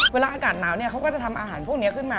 เวลาอากาศหนาวเขาก็จะทำอาหารพวกนี้ขึ้นมา